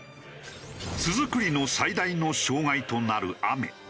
巣作りの最大の障害となる雨。